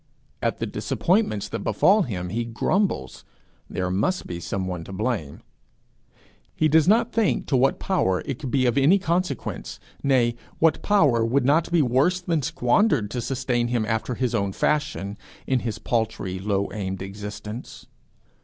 at the disappointments that befall him he grumbles there must be some one to blame! He does not think to what Power it could be of any consequence, nay, what power would not be worse than squandered, to sustain him after his own fashion, in his paltry, low aimed existence!